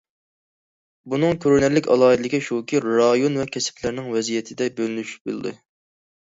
بۇنىڭ كۆرۈنەرلىك ئالاھىدىلىك شۇكى، رايون ۋە كەسىپلەرنىڭ ۋەزىيىتىدە بۆلۈنۈش بولدى.